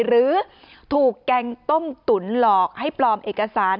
หรือถูกแกงต้มตุ๋นหลอกให้ปลอมเอกสาร